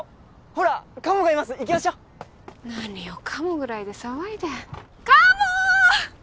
ほらカモがいます行きましょう何をカモぐらいで騒いでカモ！